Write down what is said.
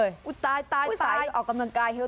เยอะแยะเลย